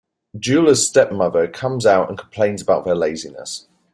Djula's stepmother comes out and complains about their laziness.